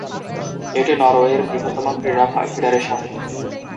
এটি নরওয়ের বৃহত্তম ক্রীড়া ফেডারেশন।